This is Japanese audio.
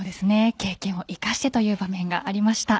経験を生かしてという場面がありました。